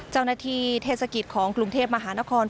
เจ้าหน้าทีเทศกิจของกรุงเทพมหานคร